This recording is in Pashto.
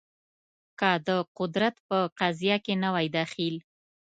که قدرت په قضیه کې نه وای دخیل